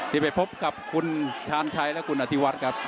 ที่ไปพบกับคุณชาญชัยและคุณอธิวัฒน์ครับ